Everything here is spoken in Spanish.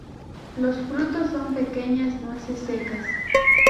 Los frutos son pequeñas nueces secas.